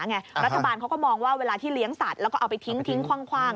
รัฐบาลเขาก็มองว่าเวลาที่เลี้ยงสัตว์แล้วก็เอาไปทิ้งคว่าง